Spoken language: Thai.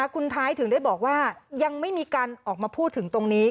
คุณท้ายถึงได้บอกว่ายังไม่มีการออกมาพูดถึงตรงนี้